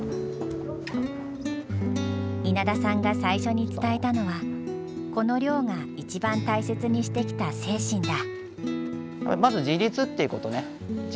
稲田さんが最初に伝えたのはこの寮が一番大切にしてきた精神だ。